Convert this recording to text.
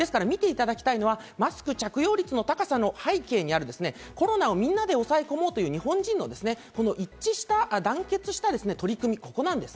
ですから見ていただきたいのはマスク着用率の高さの背景にあるコロナをみんなで抑え込もうという日本人の、この一致した、団結した取り組み。